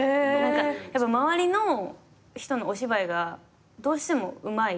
周りの人のお芝居がどうしてもうまいから。